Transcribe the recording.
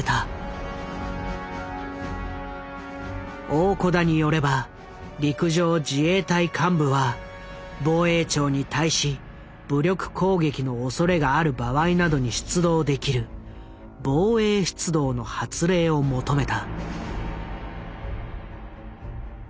大小田によれば陸上自衛隊幹部は防衛庁に対し武力攻撃のおそれがある場合などに出動できる防衛出動の発令を求めた。